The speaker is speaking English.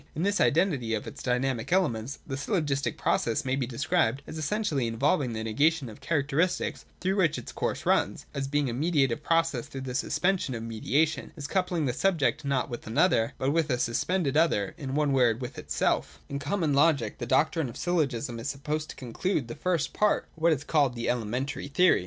In this ideality of its dynamic elements, the syllogistic process may be described as essentially in volving the negation of the characters through which its course runs, as being a mediative process through the suspension of mediation, — as coupling the subject not with another, but with a suspended other, in one word, with itself In the common logic, the doctrine of syllogism is supposed to conclude the first part, or what is called the ' elementary ' theory.